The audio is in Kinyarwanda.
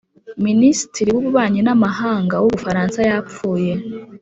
minisitiri w'ububanyi n'amahanga w'u bufaransa yapfuye